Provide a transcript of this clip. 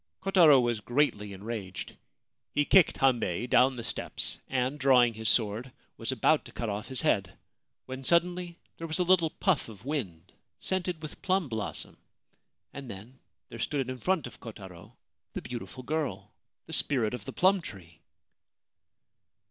Kotaro was greatly enraged. He kicked Hambei down the steps, and, drawing his sword, was about to cut off his head, when suddenly there was a little puff of wind scented with plum blossom, and then there stood in front of Kotaro the beautiful girl, the Spirit of the Plum Tree